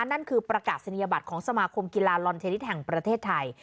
นั่นคือประกาศนียบัตรของสมาคมกีฬาลอนเทนนิสแห่งประเทศไทย